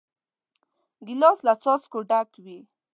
ګیلاس له څاڅکو ډک وي.